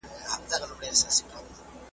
نور که ستا سره کړي مینه لري خپل خپل مطلبونه `